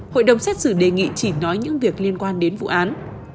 hội đồng xét xử đề nghị chỉ nói những việc liên quan đến vụ án